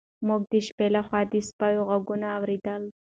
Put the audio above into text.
موږ د شپې لخوا د سپیو غږونه اورېدل.